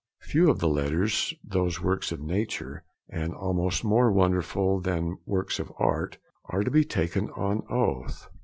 Few of the letters, those works of nature, and almost more wonderful than works of art, are to be taken on oath.